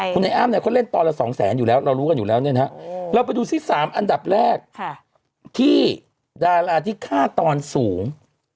คุณไอ้อ้ำเนี่ยเขาเล่นตอนละ๒แสนอยู่แล้วเรารู้กันอยู่แล้วเนี่ยนะเราไปดูซิ๓อันดับแรกที่ดาราที่ค่าตอนสูง